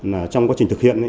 là trong quá trình thực hiện